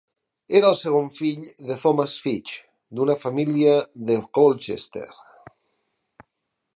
Era el segon fill de Thomas Fitch, d'una família de Colchester.